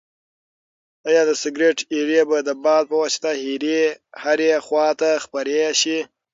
ایا د سګرټ ایرې به د باد په واسطه هرې خواته خپرې شي؟